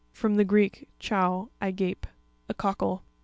—From the ,Greek, chad, I gape. A cockle.